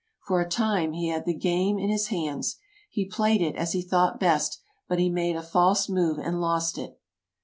For a time he had the game in his hands: he played it as he thought best, but he made a false move and lost it.